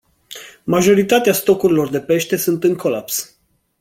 Majoritatea stocurilor de pește sunt în colaps.